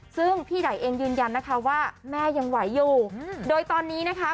ซึ่งพี่ไดเองยืนยันนะคะว่าแม่ยังไหวอยู่โดยตอนนี้นะคะ